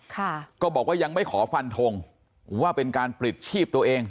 ก็บอกว่ายังไม่ขอฟันทงว่าเป็นการปลิดชีพตัวเอง